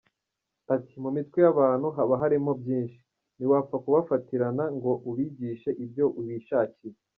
Ati :”Mu mitwe y’abantu haba harimo byinshi, ntiwapfa kubafatirana ngo ubigishe ibyo wishakiye”.